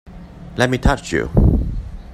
Let me touch you!